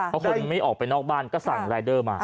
เพราะคนไม่ออกไปนอกบ้านก็สั่งรายเดอร์มา